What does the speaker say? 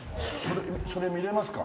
それ見れますか？